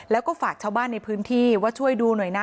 แล้วก็ฝากชาวบ้านในพื้นที่ว่าช่วยดูหน่อยนะ